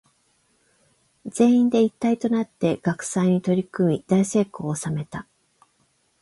全員で一体となって学祭に取り組み大成功を収めた。